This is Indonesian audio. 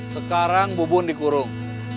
sekarang bubun dikurung